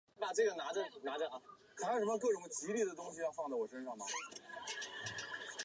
莫特对盲目遵循宗教和社会传统的有效性提出质疑。